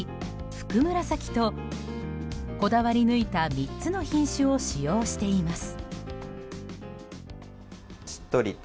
ふくむらさきとこだわり抜いた３つの品種を使用しています。